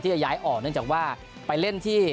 จะย้ายออกเนื่องจากว่าไปเล่นที่